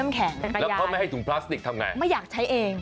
ไม่อยากใช้เอง